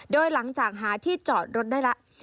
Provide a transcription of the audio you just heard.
โดยหลังจากหาที่จอดรถได้แล้ว